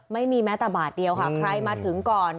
ไม่มีแม้แต่บาทเดียวค่ะใครมาถึงก่อน